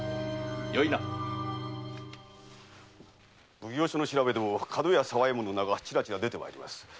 奉行所の調べでも角屋沢右衛門の名が出てきます。